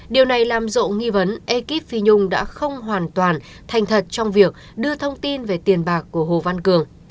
điều này làm rộ nghi vấn ekip phi nhung đã không hoàn toàn thành thật trong việc đưa thông tin về tiền bạc của hồ văn cường